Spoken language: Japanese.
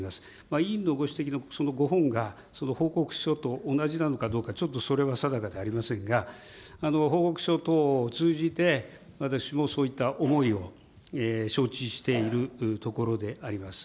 委員のご指摘のそのご本が、その報告書と同じなのかどうか、ちょっとそれは定かじゃありませんが、報告書等を通じて、私もそういった思いを承知しているところであります。